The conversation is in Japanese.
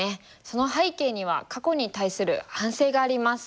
その背景には過去に対する反省があります。